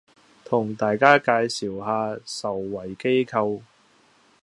同大家介紹下受惠機構